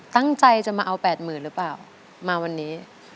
ตั้งใจจะมาเอา๘๐๐๐หรือเปล่ามาวันนี้